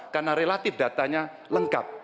karena relatif datanya lengkap